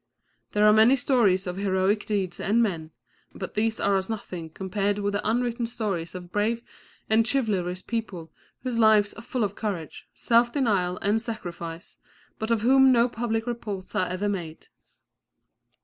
There are many stories of heroic deeds and men, but these are as nothing compared with the unwritten stories of brave and chivalrous people whose lives are full of courage, self denial and sacrifice, but of whom no public reports are ever made.